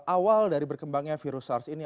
awal dari berkembangnya virus sars ini